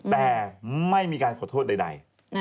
แต่ไม่มีการขอโทษใด